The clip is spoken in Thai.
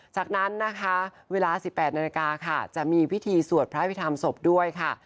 จากนั้นนะคะเวลา๑๘นาฬิกาค่ะจะมีพิธีสวดพระพิธรรมศพด้วยค่ะ